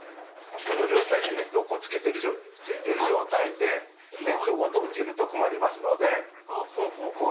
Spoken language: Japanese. この状態でネットをついている状態でネットごと落ちると困りますのでこういうフックを掛けます。